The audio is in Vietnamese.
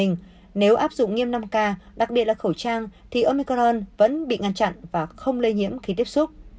nếu áp dụng nghiêm năm k đặc biệt là khẩu trang thì omicron vẫn bị ngăn chặn và không lây nhiễm khi tiếp xúc